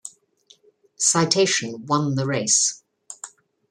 Citation won the race.